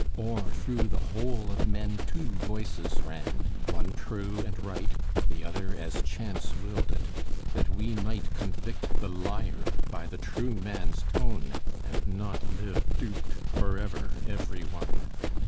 Or through the whole Of men two voices ran, one true and right, The other as chance willed it; that we might Convict the liar by the true man's tone, And not live duped forever, every one!